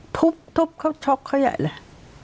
ทุบเขาช็อกเขาใหญ่เลย